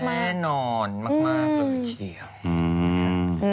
แน่นอนมากเลยเชี่ยว